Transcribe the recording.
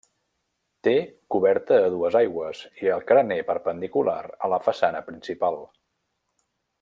Té coberta a dues aigües i el carener perpendicular a la façana principal.